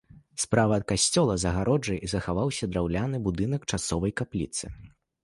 Справа ад касцёла, за агароджай, захаваўся драўляны будынак часовай капліцы.